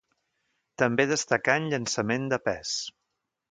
També destacà en llançament de pes.